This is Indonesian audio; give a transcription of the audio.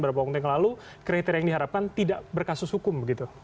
beberapa waktu yang lalu kriteria yang diharapkan tidak berkasus hukum begitu